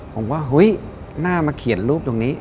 ผมว่าเฮ้ยน่ามาเขียนรูปตรงนี้